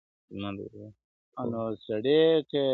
زما د زړه د كـور ډېـوې خلگ خبــري كوي.